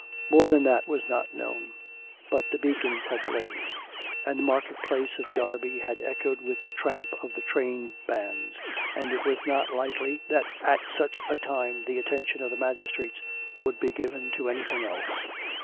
More than that was not known. But the beacons had blazed; and the market place of Derby had echoed with the tramp of the train bands; and it was not likely that at such a time the attention of the magistrates would be given to anything else.